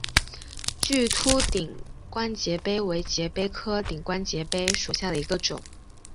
巨突顶冠节蜱为节蜱科顶冠节蜱属下的一个种。